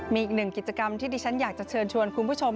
มีอีกหนึ่งกิจกรรมที่ดิฉันอยากจะเชิญชวนคุณผู้ชม